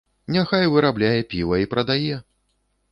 Няхай вырабляе піва і прадае!